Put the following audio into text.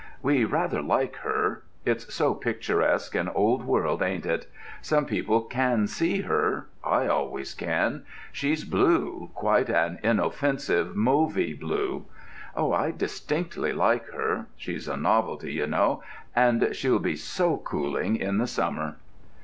We rather like her—it's so picturesque and old world, ain't it? Some people can see her—I always can. She's blue—quite an inoffensive mauvy blue. Oh, I distinctly like her. She's a novelty, ye know: and she'll be so cooling in the summer!"